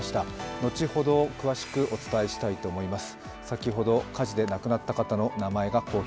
後ほど、詳しくお伝えしたいと思います。